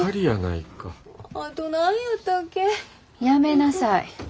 やめなさい。